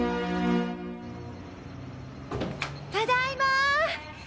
ただいま！